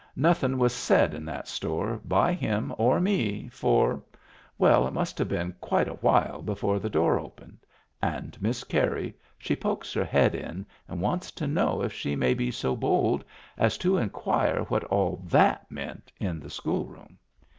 Nothin' was said in that store by him or me for — well, it must have been quite a while before the door opened and Miss Carey she pokes her head in and wants to know if she may be so bold as to inquire what all that meant in the school room.